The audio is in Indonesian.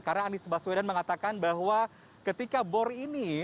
karena nisbah swedan mengatakan bahwa ketika bor ini